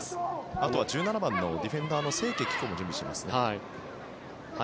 あとは１７番のディフェンダーの清家貴子も準備していますね。